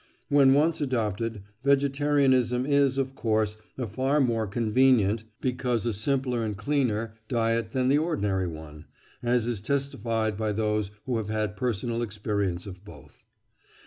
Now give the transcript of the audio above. When once adopted, vegetarianism is, of course, a far more convenient, because a simpler and cleaner diet than the ordinary one, as is testified by those who have had personal experience of both.